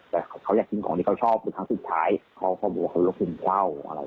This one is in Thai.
แต่เขาอยากกินของที่เขาชอบทุกครั้งสุดท้ายเขาบอกว่าเขารู้คุณเศร้า